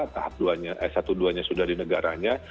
tahap dua nya eh satu dua nya sudah di negaranya